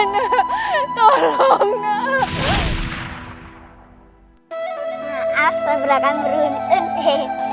maaf saya berangkat beruntung teh